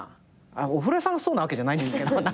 お風呂屋さんがそうなわけじゃないんですけど。